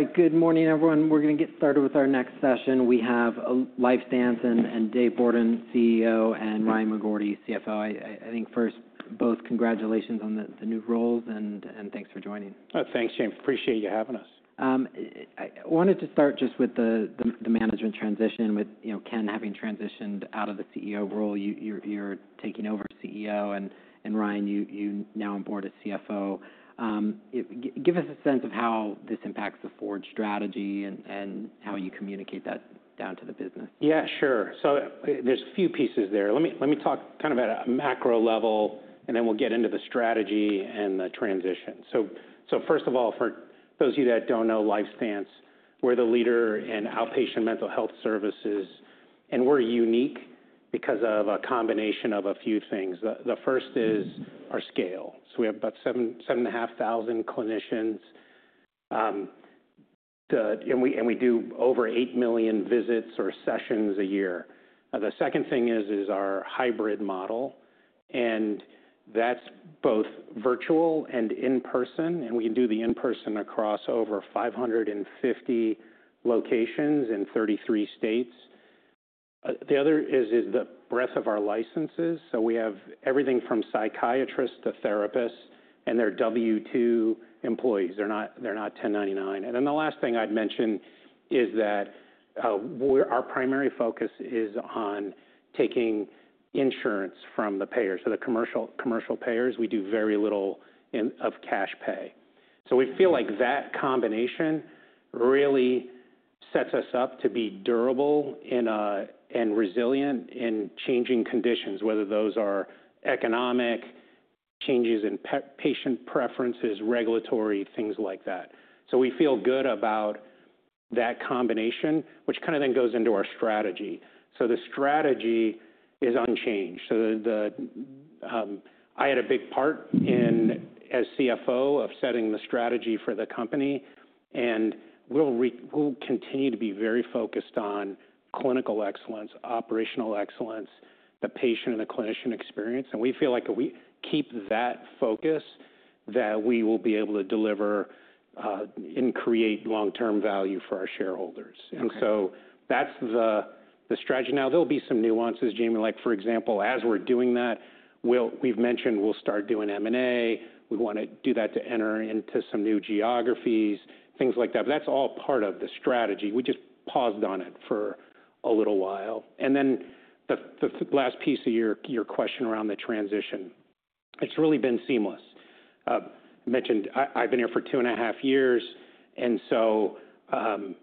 All right, good morning, everyone. We're going to get started with our next session. We have LifeStance and Dave Bourdon, CEO, and Ryan McGroarty, CFO. I think first, both, congratulations on the new roles, and thanks for joining. Thanks, James. Appreciate you having us. I wanted to start just with the management transition, with Ken having transitioned out of the CEO role. You're taking over CEO, and Ryan, you're now on board as CFO. Give us a sense of how this impacts the forward strategy and how you communicate that down to the business. Yeah, sure. There's a few pieces there. Let me talk kind of at a macro level, and then we'll get into the strategy and the transition. First of all, for those of you that don't know, LifeStance, we're the leader in outpatient mental health services, and we're unique because of a combination of a few things. The first is our scale. We have about 7,500 clinicians, and we do over 8 million visits or sessions a year. The second thing is our hybrid model, and that's both virtual and in person, and we can do the in person across over 550 locations in 33 states. The other is the breadth of our licenses. We have everything from psychiatrists to therapists, and they're W-2 employees. They're not 1099. The last thing I'd mention is that our primary focus is on taking insurance from the payers. The commercial payers, we do very little of cash pay. We feel like that combination really sets us up to be durable and resilient in changing conditions, whether those are economic changes in patient preferences, regulatory things like that. We feel good about that combination, which kind of then goes into our strategy. The strategy is unchanged. I had a big part as CFO of setting the strategy for the company, and we'll continue to be very focused on clinical excellence, operational excellence, the patient and the clinician experience. We feel like if we keep that focus, we will be able to deliver and create long-term value for our shareholders. That is the strategy. Now, there'll be some nuances, Jamie, like, for example, as we're doing that, we've mentioned we'll start doing M&A. We want to do that to enter into some new geographies, things like that. That's all part of the strategy. We just paused on it for a little while. The last piece of your question around the transition, it's really been seamless. I mentioned I've been here for two and a half years, and so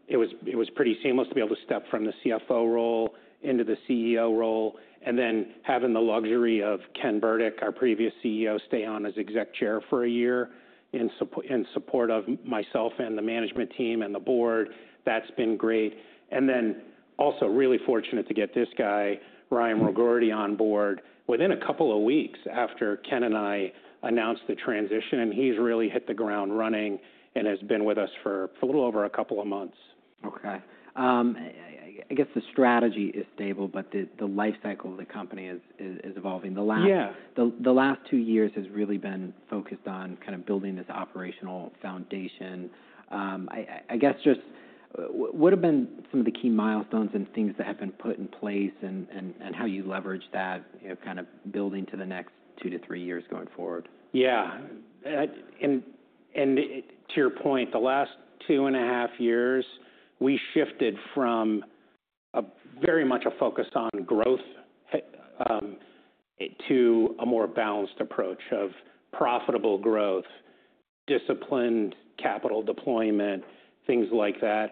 it was pretty seamless to be able to step from the CFO role into the CEO role, and then having the luxury of Ken Burdick, our previous CEO, stay on as exec chair for a year in support of myself and the management team and the board, that's been great. Also really fortunate to get this guy, Ryan McGroarty, on board within a couple of weeks after Ken and I announced the transition, and he's really hit the ground running and has been with us for a little over a couple of months. Okay. I guess the strategy is stable, but the lifecycle of the company is evolving. The last two years has really been focused on kind of building this operational foundation. I guess just what have been some of the key milestones and things that have been put in place and how you leverage that kind of building to the next two to three years going forward? Yeah. To your point, the last two and a half years, we shifted from very much a focus on growth to a more balanced approach of profitable growth, disciplined capital deployment, things like that.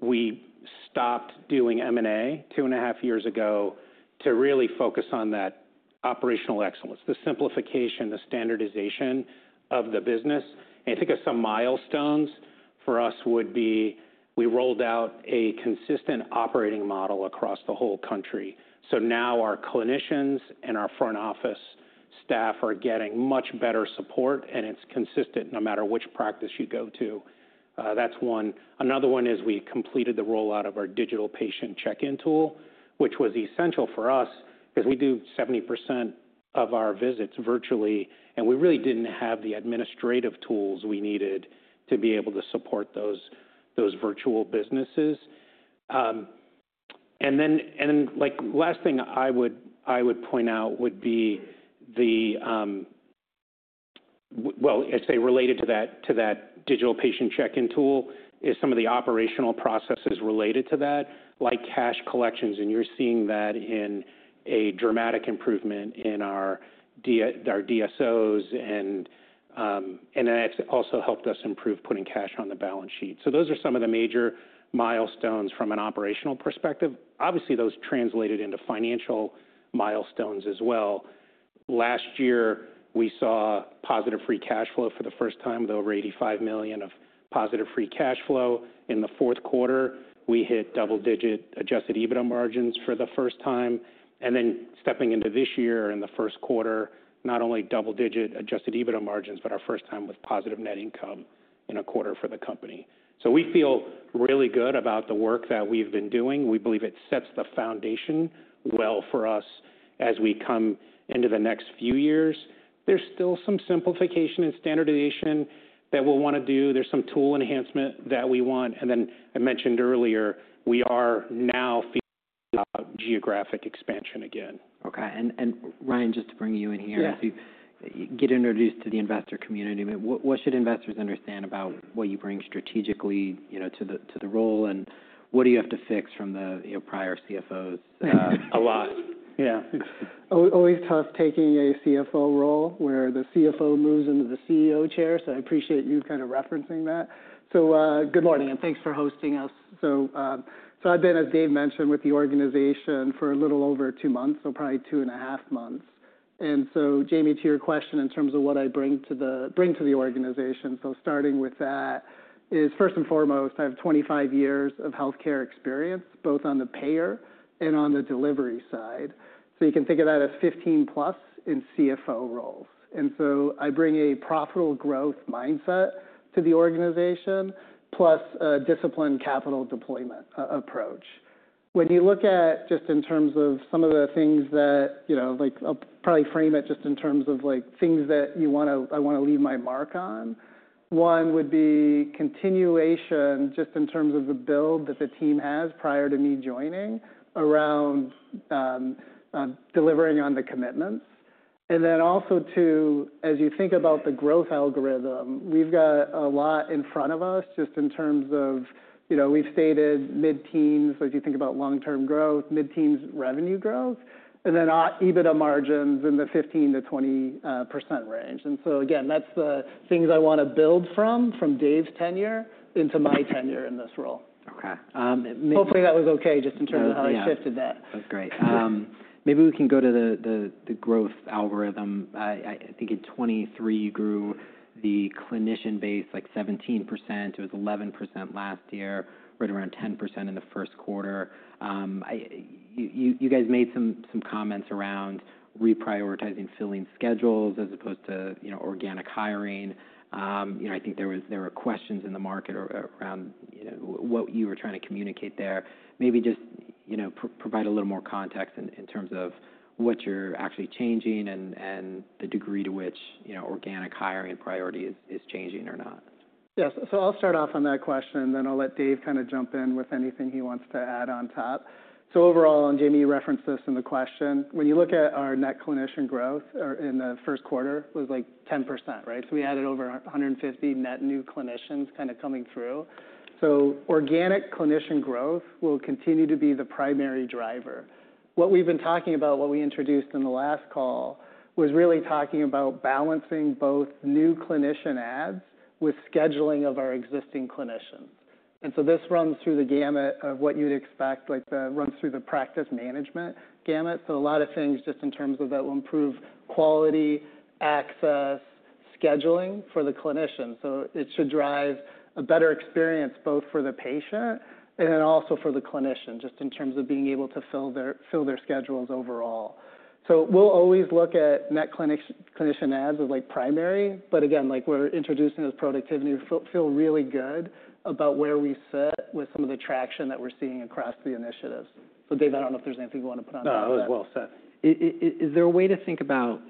We stopped doing M&A two and a half years ago to really focus on that operational excellence, the simplification, the standardization of the business. I think some milestones for us would be we rolled out a consistent operating model across the whole country. Now our clinicians and our front office staff are getting much better support, and it's consistent no matter which practice you go to. That's one. Another one is we completed the rollout of our digital patient check-in tool, which was essential for us because we do 70% of our visits virtually, and we really did not have the administrative tools we needed to be able to support those virtual businesses. The last thing I would point out would be the, I'd say related to that digital patient check-in tool is some of the operational processes related to that, like cash collections, and you're seeing that in a dramatic improvement in our DSOs, and that's also helped us improve putting cash on the balance sheet. Those are some of the major milestones from an operational perspective. Obviously, those translated into financial milestones as well. Last year, we saw positive free cash flow for the first time, with over $85 million of positive free cash flow. In the fourth quarter, we hit double-digit adjusted EBITDA margins for the first time. Stepping into this year in the first quarter, not only double-digit adjusted EBITDA margins, but our first time with positive net income in a quarter for the company. We feel really good about the work that we've been doing. We believe it sets the foundation well for us as we come into the next few years. There's still some simplification and standardization that we'll want to do. There's some tool enhancement that we want. I mentioned earlier, we are now geographic expansion again. Okay. Ryan, just to bring you in here, if you get introduced to the investor community, what should investors understand about what you bring strategically to the role, and what do you have to fix from the prior CFOs? A lot. Yeah. Always tough taking a CFO role where the CFO moves into the CEO chair, so I appreciate you kind of referencing that. Good morning, and thanks for hosting us. I've been, as Dave mentioned, with the organization for a little over two months, so probably two and a half months. Jamie, to your question in terms of what I bring to the organization, starting with that is first and foremost, I have 25 years of healthcare experience, both on the payer and on the delivery side. You can think of that as 15-plus in CFO roles. I bring a profitable growth mindset to the organization, plus a disciplined capital deployment approach. When you look at just in terms of some of the things that I'll probably frame it just in terms of things that I want to leave my mark on, one would be continuation just in terms of the build that the team has prior to me joining around delivering on the commitments. Also, as you think about the growth algorithm, we've got a lot in front of us just in terms of we've stated mid-teens, so as you think about long-term growth, mid-teens revenue growth, and then EBITDA margins in the 15%-20% range. Again, that's the things I want to build from Dave's tenure into my tenure in this role. Okay. Hopefully, that was okay just in terms of how you shifted that. That was great. Maybe we can go to the growth algorithm. I think in 2023, you grew the clinician base like 17%. It was 11% last year, right around 10% in the first quarter. You guys made some comments around reprioritizing filling schedules as opposed to organic hiring. I think there were questions in the market around what you were trying to communicate there. Maybe just provide a little more context in terms of what you're actually changing and the degree to which organic hiring priority is changing or not. Yes. I'll start off on that question, then I'll let Dave kind of jump in with anything he wants to add on top. Overall, and Jamie, you referenced this in the question, when you look at our net clinician growth in the first quarter, it was like 10%, right? We added over 150 net new clinicians kind of coming through. Organic clinician growth will continue to be the primary driver. What we've been talking about, what we introduced in the last call, was really talking about balancing both new clinician adds with scheduling of our existing clinicians. This runs through the gamut of what you'd expect, like it runs through the practice management gamut. A lot of things just in terms of that will improve quality, access, scheduling for the clinician. It should drive a better experience both for the patient and then also for the clinician just in terms of being able to fill their schedules overall. We'll always look at net clinician adds as primary, but again, like we're introducing this productivity, feel really good about where we sit with some of the traction that we're seeing across the initiatives. Dave, I don't know if there's anything you want to put on top of that. No, that was well said. Is there a way to think about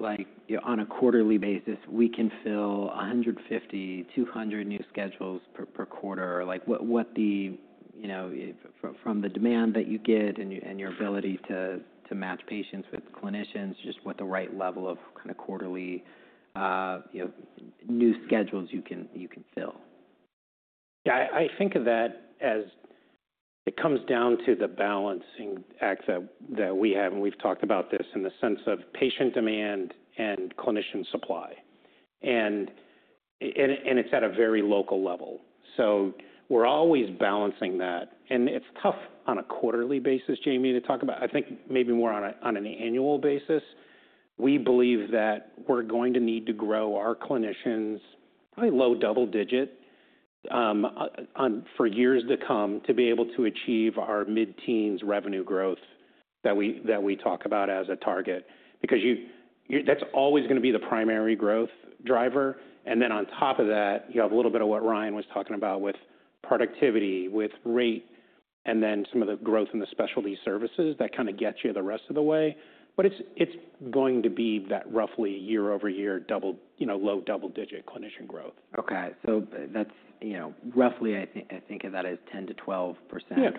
on a quarterly basis, we can fill 150-200 new schedules per quarter, like from the demand that you get and your ability to match patients with clinicians, just what the right level of kind of quarterly new schedules you can fill? Yeah, I think of that as it comes down to the balancing act that we have, and we've talked about this in the sense of patient demand and clinician supply. It's at a very local level. We're always balancing that. It's tough on a quarterly basis, Jamie, to talk about. I think maybe more on an annual basis. We believe that we're going to need to grow our clinicians, probably low double digit, for years to come to be able to achieve our mid-teens revenue growth that we talk about as a target, because that's always going to be the primary growth driver. On top of that, you have a little bit of what Ryan was talking about with productivity, with rate, and then some of the growth in the specialty services that kind of get you the rest of the way. It's going to be that roughly year-over-year low double-digit clinician growth. Okay. So roughly, I think of that as 10%-12%,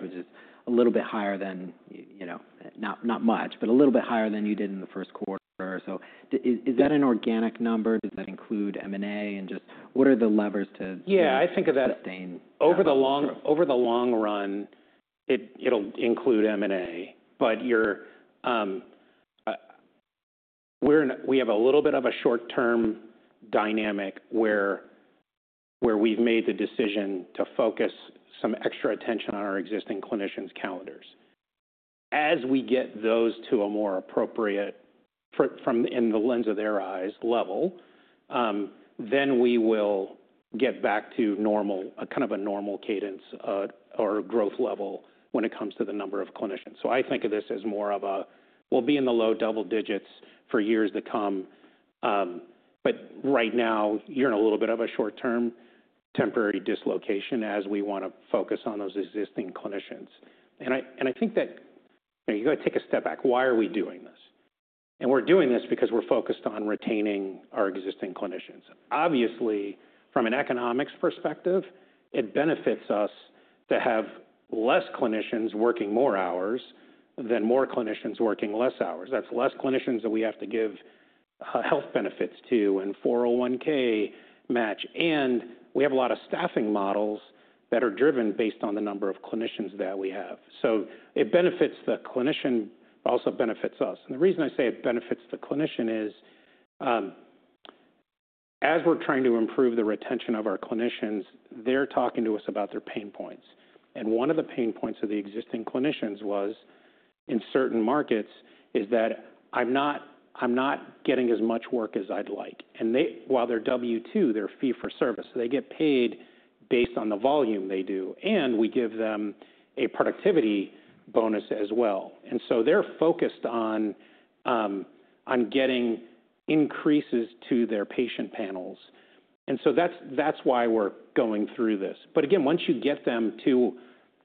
which is a little bit higher than, not much, but a little bit higher than you did in the first quarter. Is that an organic number? Does that include M&A? And just what are the levers to sustain? Yeah, I think. Sustain? Over the long run, it'll include M&A, but we have a little bit of a short-term dynamic where we've made the decision to focus some extra attention on our existing clinicians' calendars. As we get those to a more appropriate, from the lens of their eyes, level, we will get back to kind of a normal Cadence or growth level when it comes to the number of clinicians. I think of this as more of a, we'll be in the low double digits for years to come. Right now, you're in a little bit of a short-term temporary dislocation as we want to focus on those existing clinicians. I think that you got to take a step back. Why are we doing this? We're doing this because we're focused on retaining our existing clinicians. Obviously, from an economics perspective, it benefits us to have fewer clinicians working more hours than more clinicians working fewer hours. That's fewer clinicians that we have to give health benefits to and 401(k) match. We have a lot of staffing models that are driven based on the number of clinicians that we have. It benefits the clinician, but also benefits us. The reason I say it benefits the clinician is as we're trying to improve the retention of our clinicians, they're talking to us about their pain points. One of the pain points of the existing clinicians was in certain markets is that I'm not getting as much work as I'd like. While they're W-2, they're fee for service. They get paid based on the volume they do, and we give them a productivity bonus as well. They're focused on getting increases to their patient panels. That's why we're going through this. Again, once you get them to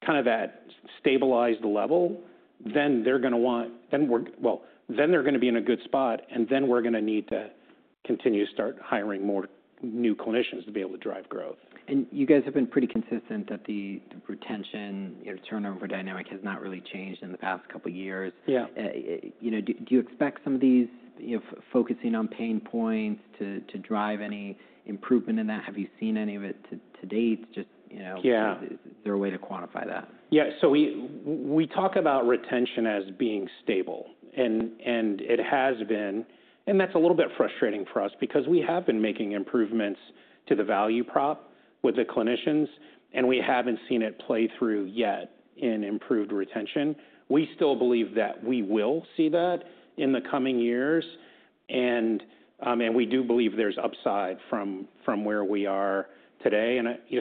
kind of that stabilized level, they're going to be in a good spot, and then we're going to need to continue to start hiring more new clinicians to be able to drive growth. You guys have been pretty consistent that the retention turnover dynamic has not really changed in the past couple of years. Do you expect some of these focusing on pain points to drive any improvement in that? Have you seen any of it to date? Just is there a way to quantify that? Yeah. We talk about retention as being stable, and it has been. That is a little bit frustrating for us because we have been making improvements to the value prop with the clinicians, and we have not seen it play through yet in improved retention. We still believe that we will see that in the coming years, and we do believe there is upside from where we are today.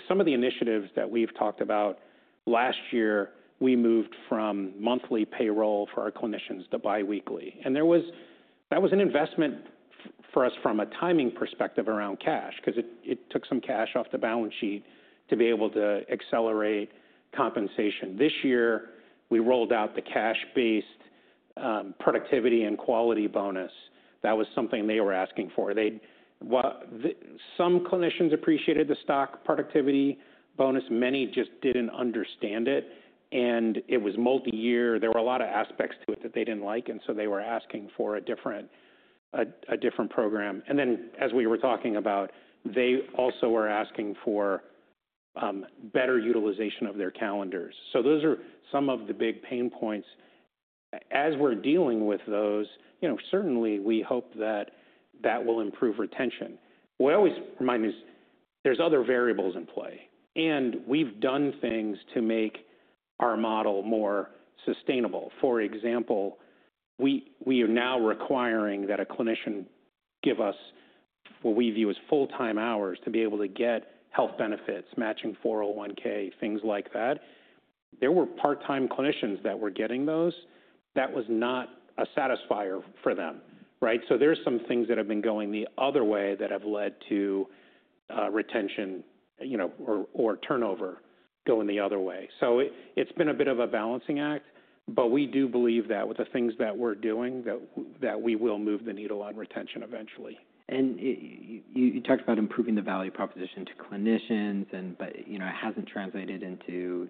Some of the initiatives that we talked about last year, we moved from monthly payroll for our clinicians to biweekly. That was an investment for us from a timing perspective around cash because it took some cash off the balance sheet to be able to accelerate compensation. This year, we rolled out the cash-based productivity and quality bonus. That was something they were asking for. Some clinicians appreciated the stock productivity bonus. Many just did not understand it, and it was multi-year. There were a lot of aspects to it that they did not like, and they were asking for a different program. As we were talking about, they also were asking for better utilization of their calendars. Those are some of the big pain points. As we are dealing with those, certainly we hope that will improve retention. What I always remind is there are other variables in play, and we have done things to make our model more sustainable. For example, we are now requiring that a clinician give us what we view as full-time hours to be able to get health benefits, matching 401(k), things like that. There were part-time clinicians that were getting those. That was not a satisfier for them, right? There are some things that have been going the other way that have led to retention or turnover going the other way. It has been a bit of a balancing act, but we do believe that with the things that we are doing, we will move the needle on retention eventually. You talked about improving the value proposition to clinicians, but it hasn't translated into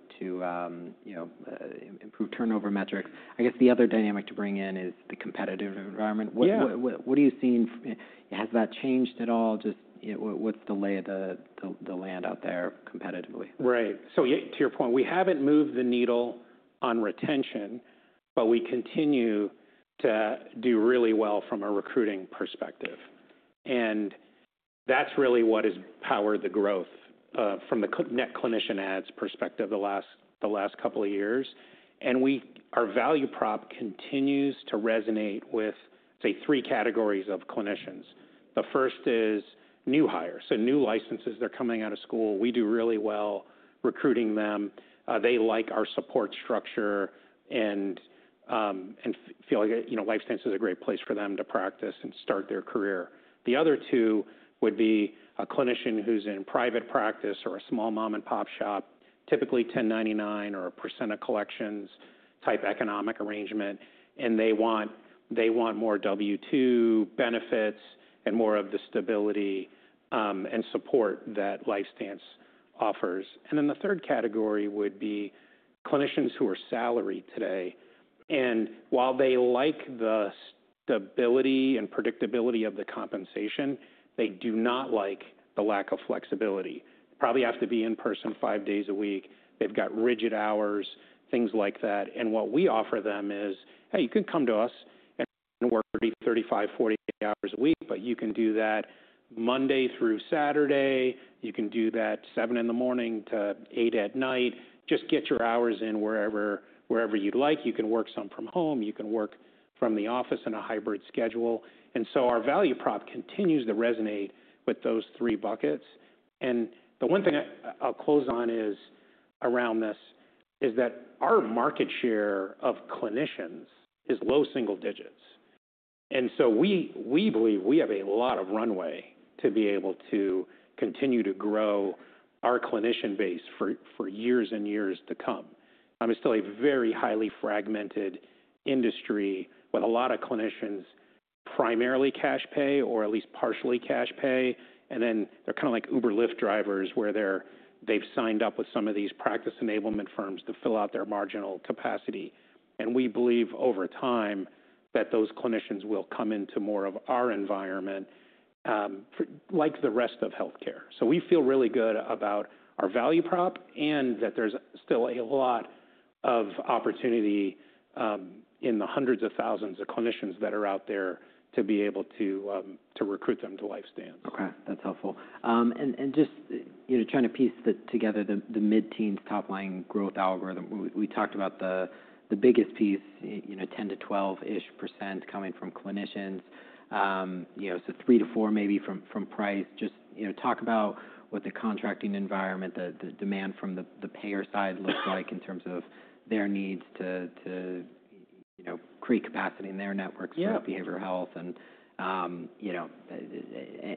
improved turnover metrics. I guess the other dynamic to bring in is the competitive environment. What are you seeing? Has that changed at all? Just what's the lay of the land out there competitively? Right. To your point, we haven't moved the needle on retention, but we continue to do really well from a recruiting perspective. That's really what has powered the growth from the net clinician adds perspective the last couple of years. Our value prop continues to resonate with, say, three categories of clinicians. The first is new hires, so new licenses. They're coming out of school. We do really well recruiting them. They like our support structure and feel like LifeStance is a great place for them to practice and start their career. The other two would be a clinician who's in private practice or a small mom-and-pop shop, typically 1099 or a percent of collections type economic arrangement, and they want more W-2 benefits and more of the stability and support that LifeStance offers. The third category would be clinicians who are salaried today. While they like the stability and predictability of the compensation, they do not like the lack of flexibility. They probably have to be in person five days a week. They have got rigid hours, things like that. What we offer them is, hey, you can come to us and work 30, 35, 40 hours a week, but you can do that Monday through Saturday. You can do that 7:00 A.M. to 8:00 P.M. Just get your hours in wherever you would like. You can work some from home. You can work from the office in a hybrid schedule. Our value prop continues to resonate with those three buckets. The one thing I will close on around this is that our market share of clinicians is low single digits. We believe we have a lot of runway to be able to continue to grow our clinician base for years and years to come. I mean, it's still a very highly fragmented industry with a lot of clinicians primarily cash pay or at least partially cash pay. They are kind of like Uber Lyft drivers where they've signed up with some of these practice enablement firms to fill out their marginal capacity. We believe over time that those clinicians will come into more of our environment like the rest of healthcare. We feel really good about our value prop and that there's still a lot of opportunity in the hundreds of thousands of clinicians that are out there to be able to recruit them to LifeStance Health. Okay. That's helpful. Just trying to piece together the mid-teens top-line growth algorithm, we talked about the biggest piece, 10%-12% coming from clinicians. 3%-4% maybe from price. Just talk about what the contracting environment, the demand from the payer side looks like in terms of their needs to create capacity in their networks for behavioral health.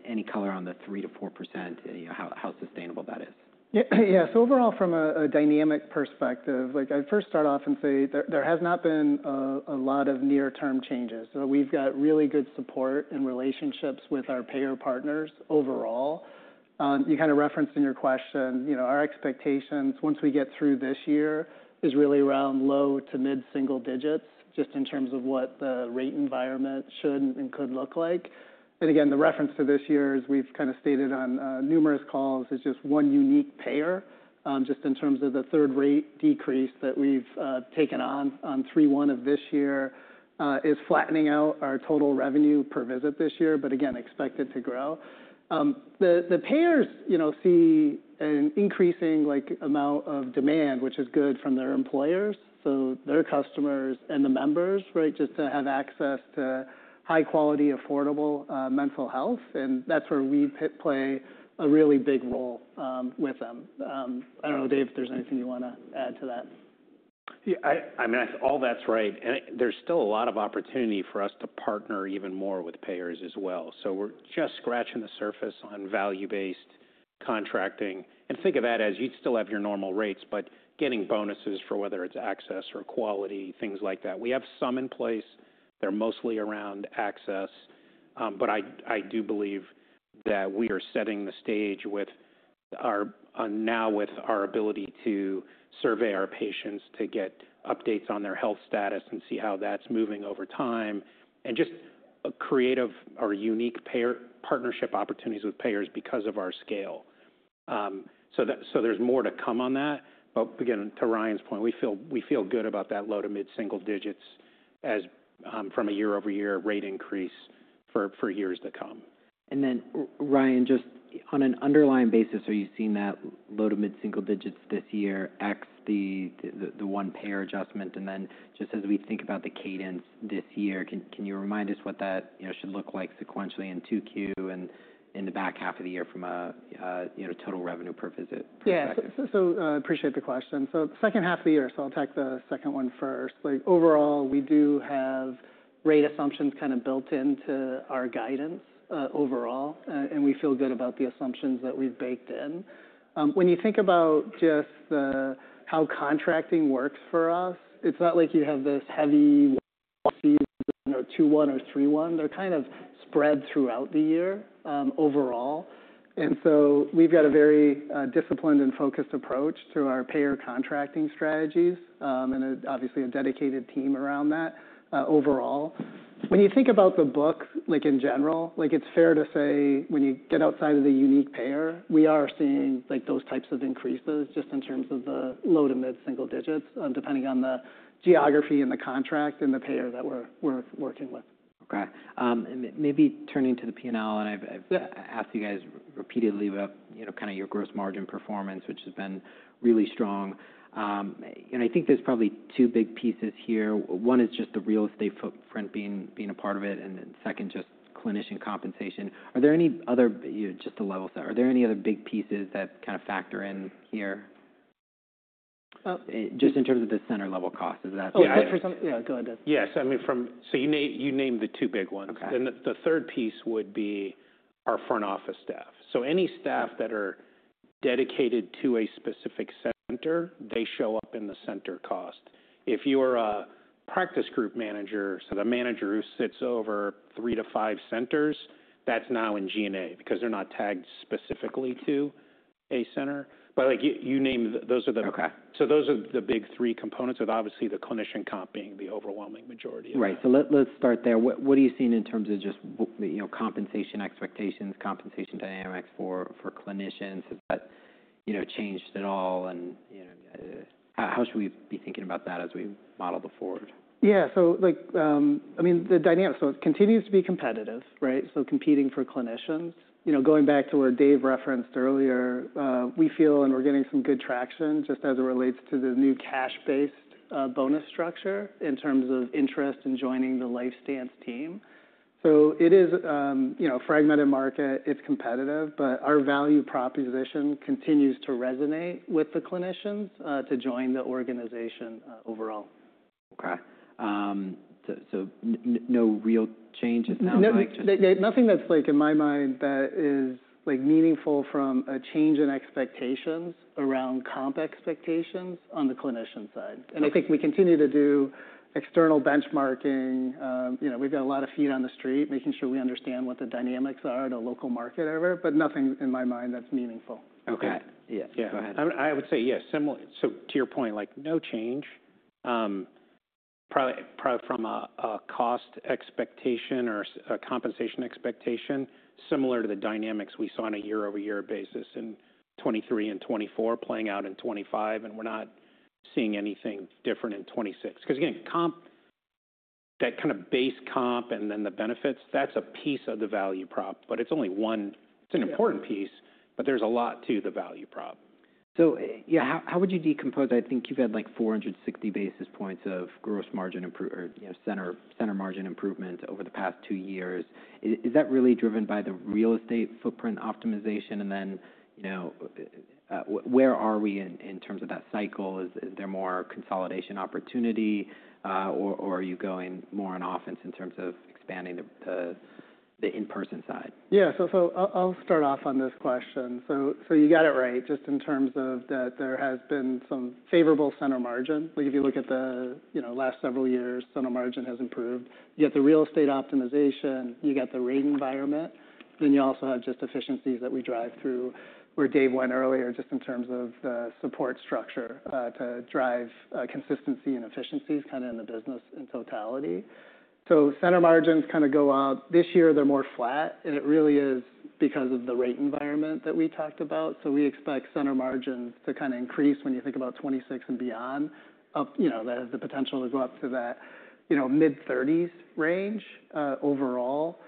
Any color on the 3%-4%, how sustainable that is. Yeah. Overall, from a dynamic perspective, I'd first start off and say there has not been a lot of near-term changes. We've got really good support and relationships with our payer partners overall. You kind of referenced in your question, our expectations once we get through this year is really around low to mid-single digits just in terms of what the rate environment should and could look like. Again, the reference to this year, as we've kind of stated on numerous calls, is just one unique payer just in terms of the third rate decrease that we've taken on on March 1 of this year is flattening out our total revenue per visit this year, but again, expect it to grow. The payers see an increasing amount of demand, which is good from their employers, so their customers and the members, right, just to have access to high-quality, affordable mental health. That is where we play a really big role with them. I don't know, Dave, if there's anything you want to add to that. Yeah. I mean, I think all that's right. There's still a lot of opportunity for us to partner even more with payers as well. We're just scratching the surface on value-based contracting. Think of that as you'd still have your normal rates, but getting bonuses for whether it's access or quality, things like that. We have some in place. They're mostly around access. I do believe that we are setting the stage now with our ability to survey our patients, to get updates on their health status and see how that's moving over time, and just creative or unique partnership opportunities with payers because of our scale. There's more to come on that. Again, to Ryan's point, we feel good about that low to mid-single digits from a year-over-year rate increase for years to come. Ryan, just on an underlying basis, are you seeing that low to mid-single digits this year X the one payer adjustment? Just as we think about the Cadence this year, can you remind us what that should look like sequentially in 2Q and in the back half of the year from a total revenue per visit perspective? Yeah. I appreciate the question. Second half of the year, I'll take the second one first. Overall, we do have rate assumptions kind of built into our guidance overall, and we feel good about the assumptions that we've baked in. When you think about just how contracting works for us, it's not like you have this heavy season or 2/1 or 3/1. They're kind of spread throughout the year overall. We've got a very disciplined and focused approach to our payer contracting strategies and obviously a dedicated team around that overall. When you think about the book in general, it's fair to say when you get outside of the unique payer, we are seeing those types of increases just in terms of the low to mid-single digits depending on the geography and the contract and the payer that we're working with. Okay. Maybe turning to the P&L, and I've asked you guys repeatedly about kind of your gross margin performance, which has been really strong. I think there's probably two big pieces here. One is just the real estate footprint being a part of it, and then second, just clinician compensation. Are there any other, just to level set, are there any other big pieces that kind of factor in here? Just in terms of the center-level cost, is that? Oh, go ahead. Yeah. You named the two big ones. The third piece would be our front office staff. Any staff that are dedicated to a specific center show up in the center cost. If you are a practice group manager, the manager who sits over three to five centers, that's now in G&A because they're not tagged specifically to a center. You named those, so those are the big three components, with obviously the clinician comp being the overwhelming majority of it. Right. Let's start there. What are you seeing in terms of just compensation expectations, compensation dynamics for clinicians? Has that changed at all? How should we be thinking about that as we model the forward? Yeah. So I mean, the dynamics, so it continues to be competitive, right? Competing for clinicians. Going back to where Dave referenced earlier, we feel and we're getting some good traction just as it relates to the new cash-based bonus structure in terms of interest in joining the LifeStance team. It is a fragmented market. It's competitive, but our value proposition continues to resonate with the clinicians to join the organization overall. Okay. So no real changes now? Nothing that's in my mind that is meaningful from a change in expectations around comp expectations on the clinician side. I think we continue to do external benchmarking. We've got a lot of feet on the street making sure we understand what the dynamics are at a local market, whatever, but nothing in my mind that's meaningful. Okay. Yeah. Go ahead. I would say, yeah, similar to your point, no change probably from a cost expectation or a compensation expectation similar to the dynamics we saw on a year-over-year basis in 2023 and 2024 playing out in 2025, and we're not seeing anything different in 2026. Because again, that kind of base comp and then the benefits, that's a piece of the value prop, but it's only one, it's an important piece, but there's a lot to the value prop. How would you decompose? I think you've had like 460 basis points of gross margin or center margin improvement over the past two years. Is that really driven by the real estate footprint optimization? Where are we in terms of that cycle? Is there more consolidation opportunity, or are you going more on offense in terms of expanding the in-person side? Yeah. So I'll start off on this question. You got it right just in terms of that there has been some favorable center margin. If you look at the last several years, center margin has improved. You got the real estate optimization. You got the rate environment. Then you also have just efficiencies that we drive through where Dave went earlier just in terms of the support structure to drive consistency and efficiencies kind of in the business in totality. Center margins kind of go up. This year, they're more flat, and it really is because of the rate environment that we talked about. We expect center margins to kind of increase when you think about 2026 and beyond. The potential to go up to that mid-30s range overall.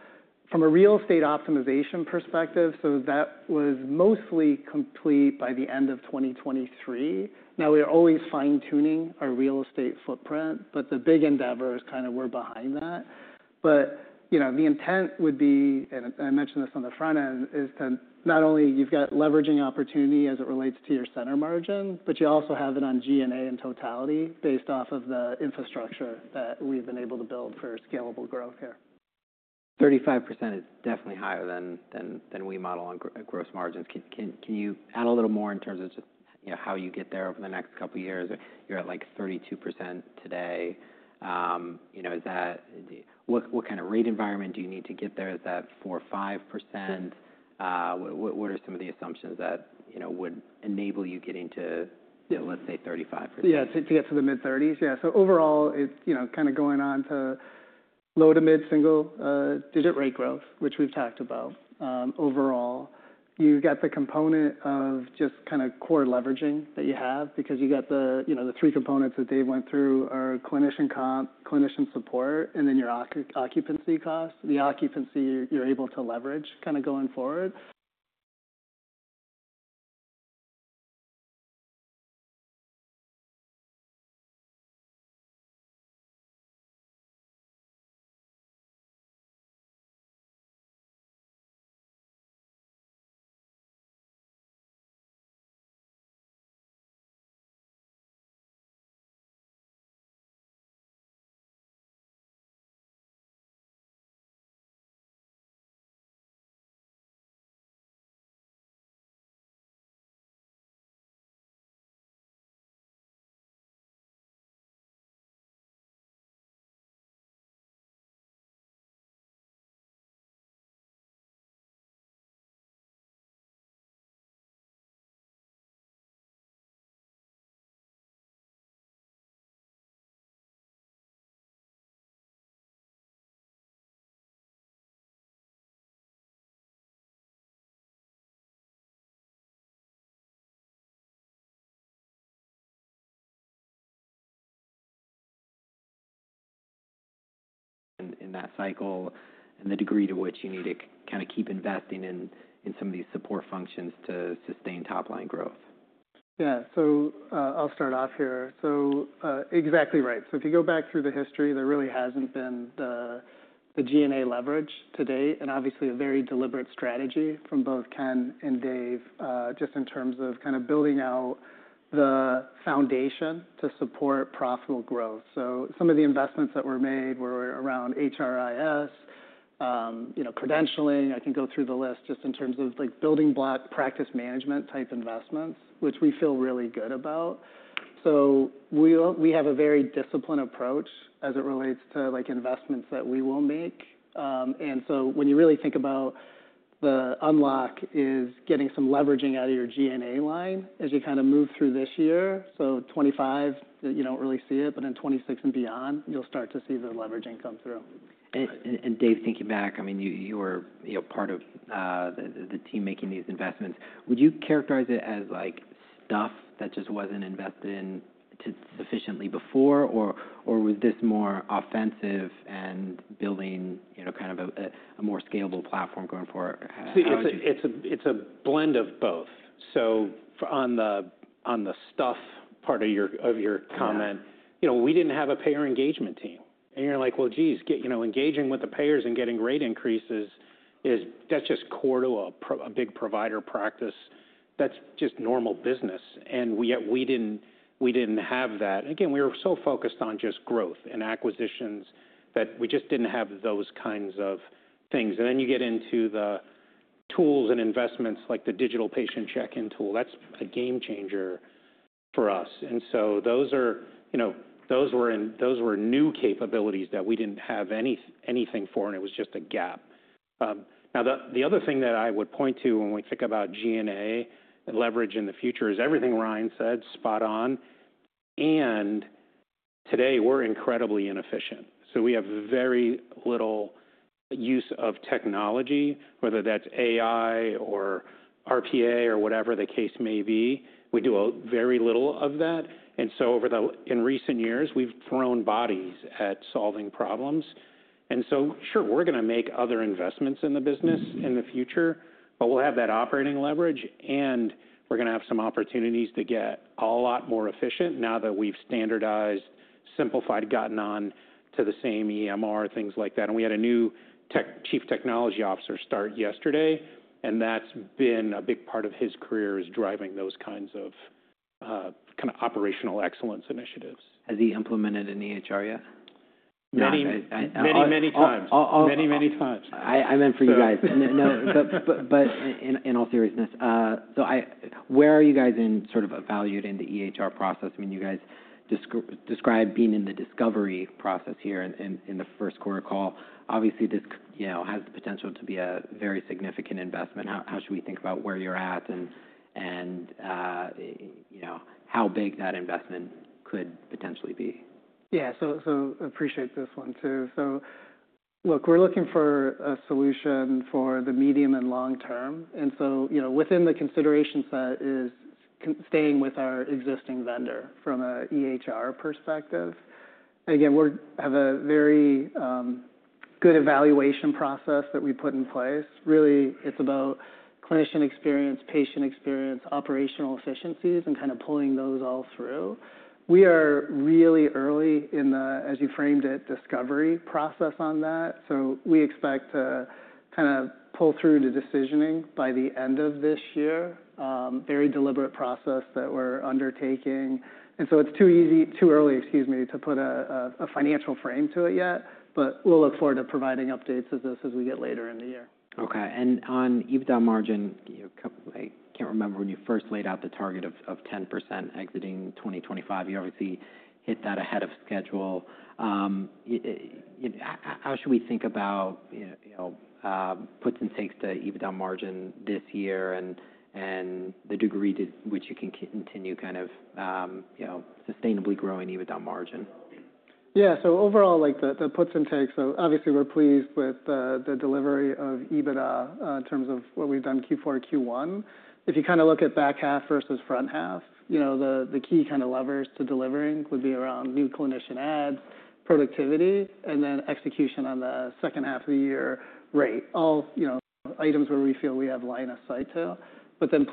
From a real estate optimization perspective, that was mostly complete by the end of 2023. Now, we're always fine-tuning our real estate footprint, but the big endeavor is kind of we're behind that. The intent would be, and I mentioned this on the front end, is to not only you've got leveraging opportunity as it relates to your center margin, but you also have it on G&A in totality based off of the infrastructure that we've been able to build for scalable growth here. 35% is definitely higher than we model on gross margins. Can you add a little more in terms of just how you get there over the next couple of years? You're at like 32% today. What kind of rate environment do you need to get there? Is that 4%, 5%? What are some of the assumptions that would enable you getting to, let's say, 35%? Yeah. To get to the mid-30s. Yeah. Overall, kind of going on to low to mid-single digit rate growth, which we've talked about overall. You've got the component of just kind of core leveraging that you have because you got the three components that Dave went through are clinician comp, clinician support, and then your occupancy costs. The occupancy, you're able to leverage kind of going forward. In that cycle and the degree to which you need to kind of keep investing in some of these support functions to sustain top-line growth? Yeah. I'll start off here. Exactly right. If you go back through the history, there really hasn't been the G&A leverage to date, and obviously a very deliberate strategy from both Ken and Dave just in terms of kind of building out the foundation to support profitable growth. Some of the investments that were made were around HRIS, credentialing. I can go through the list just in terms of building practice management type investments, which we feel really good about. We have a very disciplined approach as it relates to investments that we will make. When you really think about the unlock, it is getting some leveraging out of your G&A line as you kind of move through this year. 2025, you don't really see it, but in 2026 and beyond, you'll start to see the leveraging come through. Dave, thinking back, I mean, you were part of the team making these investments. Would you characterize it as stuff that just was not invested in sufficiently before, or was this more offensive and building kind of a more scalable platform going forward? It's a blend of both. On the stuff part of your comment, we did not have a payer engagement team. You are like, "Well, geez, engaging with the payers and getting rate increases, that is just core to a big provider practice. That is just normal business." Yet we did not have that. Again, we were so focused on just growth and acquisitions that we just did not have those kinds of things. You get into the tools and investments like the digital patient check-in tool. That is a game changer for us. Those were new capabilities that we did not have anything for, and it was just a gap. The other thing that I would point to when we think about G&A leverage in the future is everything Ryan said, spot on. Today, we are incredibly inefficient. We have very little use of technology, whether that's AI or RPA or whatever the case may be. We do very little of that. Over the recent years, we've thrown bodies at solving problems. Sure, we're going to make other investments in the business in the future, but we'll have that operating leverage, and we're going to have some opportunities to get a lot more efficient now that we've standardized, simplified, gotten on to the same EMR, things like that. We had a new Chief Technology Officer start yesterday, and that's been a big part of his career is driving those kinds of kind of operational excellence initiatives. Has he implemented an EHR yet? Many, many times. I meant for you guys. In all seriousness, where are you guys sort of valued in the EHR process? I mean, you guys described being in the discovery process here in the first quarter call. Obviously, this has the potential to be a very significant investment. How should we think about where you're at and how big that investment could potentially be? Yeah. So appreciate this one too. Look, we're looking for a solution for the medium and long term. Within the consideration set is staying with our existing vendor from an EHR perspective. Again, we have a very good evaluation process that we put in place. Really, it's about clinician experience, patient experience, operational efficiencies, and kind of pulling those all through. We are really early in the, as you framed it, discovery process on that. We expect to kind of pull through the decisioning by the end of this year. Very deliberate process that we're undertaking. It's too early to put a financial frame to it yet, but we'll look forward to providing updates as we get later in the year. Okay. On EBITDA margin, I can't remember when you first laid out the target of 10% exiting 2025. You obviously hit that ahead of schedule. How should we think about puts and takes to EBITDA margin this year and the degree to which you can continue kind of sustainably growing EBITDA margin? Yeah. So overall, the puts and takes, obviously, we're pleased with the delivery of EBITDA in terms of what we've done Q4, Q1. If you kind of look at back half versus front half, the key kind of levers to delivering would be around new clinician adds, productivity, and then execution on the second half of the year rate. All items where we feel we have line of sight to.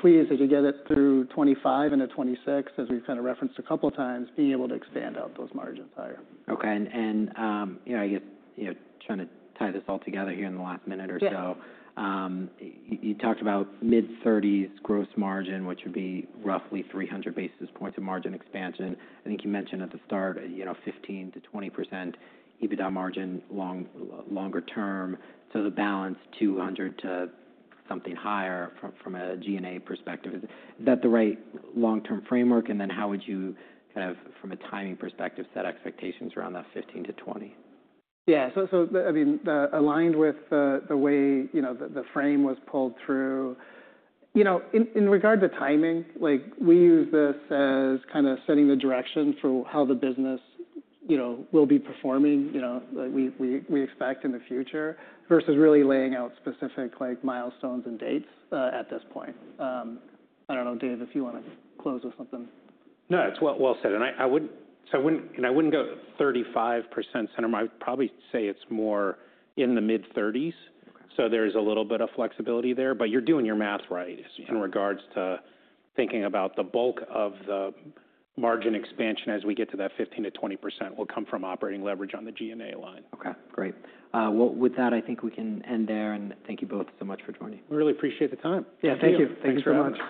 Please, as you get it through 2025 into 2026, as we've kind of referenced a couple of times, being able to expand out those margins higher. Okay. I guess trying to tie this all together here in the last minute or so, you talked about mid-30s gross margin, which would be roughly 300 basis points of margin expansion. I think you mentioned at the start 15%-20% EBITDA margin longer term. The balance 200 to something higher from a G&A perspective. Is that the right long-term framework? How would you kind of, from a timing perspective, set expectations around that 15%-20%? Yeah. So I mean, aligned with the way the frame was pulled through. In regard to timing, we use this as kind of setting the direction for how the business will be performing that we expect in the future versus really laying out specific milestones and dates at this point. I don't know, Dave, if you want to close with something. No, it's well said. I wouldn't go 35% center. I would probably say it's more in the mid-30s. There's a little bit of flexibility there, but you're doing your math right in regards to thinking about the bulk of the margin expansion as we get to that 15%-20% will come from operating leverage on the G&A line. Okay. Great. With that, I think we can end there, and thank you both so much for joining. We really appreciate the time. Yeah. Thank you. Thanks so much.